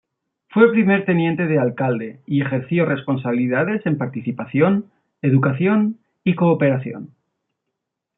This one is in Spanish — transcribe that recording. Fue primer Teniente de Alcalde y ejerció responsabilidades en Participación, Educación y Cooperación.